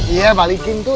iya balikin tuh